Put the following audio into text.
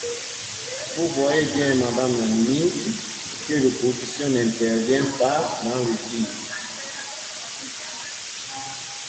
Vous voyez bien, madame la ministre, que l’opposition n’intervient pas dans le vide.